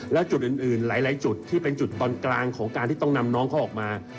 แล้วจุดอื่นหลายจุดที่เป็นจุดตอนกลางของการที่ต้องนำน้องเขาออกมา